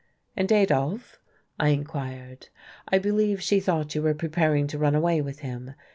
"And Adolf?" I inquired. "I believe she thought you were preparing to run away with him.